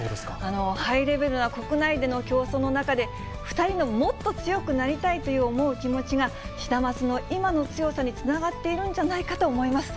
ハイレベルな国内での競争の中で、２人のもっと強くなりたいと思う気持ちが、シダマツの今の強さにつながっているんじゃないかと思います。